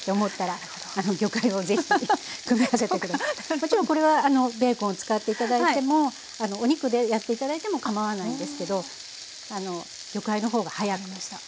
もちろんこれはベーコンを使っていただいてもお肉でやっていただいてもかまわないんですけど魚介の方が早く。